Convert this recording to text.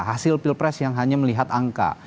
hasil pilpres yang hanya melihat angka